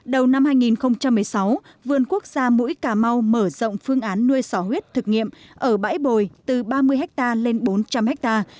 đầu năm hai nghìn một mươi sáu vườn quốc gia mũi cà mau mở rộng phương án nuôi sỏ huyết thực nghiệm ở bãi bồi từ ba mươi ha lên bốn trăm linh ha